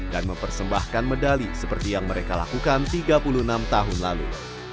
dan mempersembahkan medali seperti yang mereka lakukan tiga puluh enam tahun lalu